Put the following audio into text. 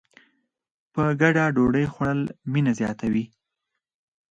په ګډه ډوډۍ خوړل مینه زیاتوي.